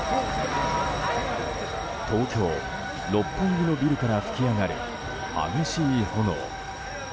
東京・六本木のビルから噴き上がる激しい炎。